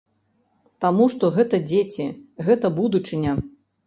Таму што гэта дзеці, гэта будучыня.